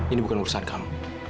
ini bukan urusan kamu